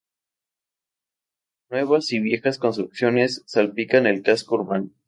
Nuevas y viejas construcciones salpican el casco urbano.